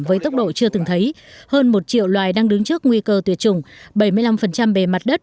với tốc độ chưa từng thấy hơn một triệu loài đang đứng trước nguy cơ tuyệt chủng bảy mươi năm bề mặt đất